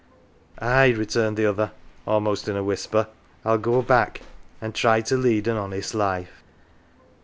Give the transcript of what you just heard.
'" Aye," returned the other, almost in a whisper, " 111 'go back an' try to lead an honest life."